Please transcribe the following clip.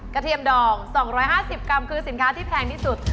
เทียมดอง๒๕๐กรัมคือสินค้าที่แพงที่สุด